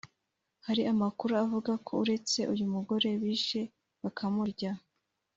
Hari amakuru avuga ko uretse uyu mugore bishe bakamurya